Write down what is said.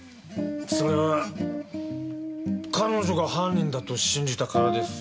それは彼女が犯人だと信じたからです。